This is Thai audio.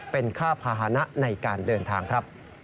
เป็นค่าภาษณะในการเดินทางครับ